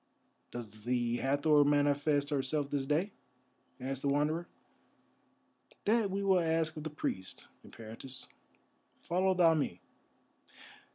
"Does the Hathor manifest herself this day?" asked the Wanderer. "That we will ask of the priests, Eperitus. Follow thou me."